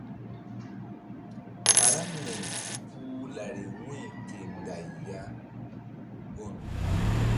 Karaŋri puh lari wu̧y ke nday ya gun.